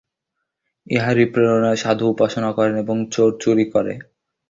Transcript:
ইহারই প্রেরণায় সাধু উপাসনা করেন এবং চোর চুরি করে।